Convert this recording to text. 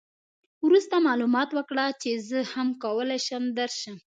وروسته معلومات وکړه چې زه هم کولای شم درشم.